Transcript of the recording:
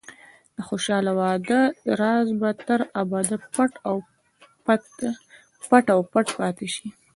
د خوشحاله واده راز به تر ابده پټ او پټ پاتې شي.